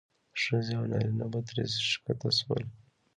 ښځې او نارینه به ترې ښکته شول.